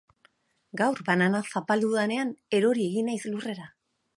Gaur banana zapaldu dudanean erori egin naiz lurrera.